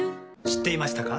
知っていましたか？